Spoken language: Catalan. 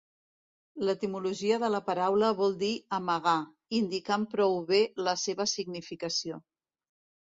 L'etimologia de la paraula vol dir 'amagar', indicant prou bé la seva significació.